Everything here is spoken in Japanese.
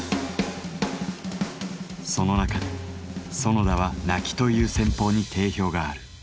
その中で園田は「鳴き」という戦法に定評がある。